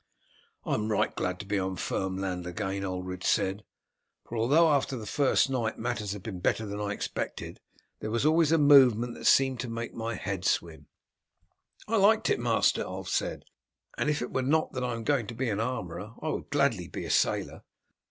"I am right glad to be on firm land again," Ulred said; "for although, after the first night, matters have been better than I expected, there was always a movement that seemed to make my head swim." "I liked it, master," Ulf said, "and if it were not that I am going to be an armourer I would gladly be a sailor."